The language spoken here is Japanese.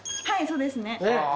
はいそうですね。